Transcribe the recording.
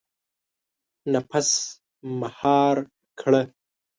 • نفس مهار کړه.